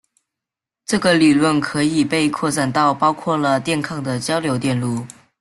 这个理论可以被扩展到包括了电抗的交流电路。